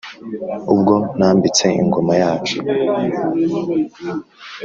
Ubwo nambitse ingoma yacu !"